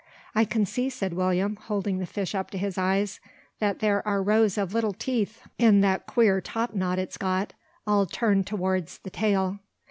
"I can see," said William, holding the fish up to his eyes, "that there are rows of little teeth in that queer top knot it's got, all turned towards the tail.